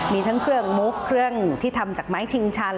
มีทั้งเครื่องมุกเครื่องที่ทำจากไม้ชิงชัน